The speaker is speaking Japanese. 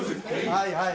はいはい。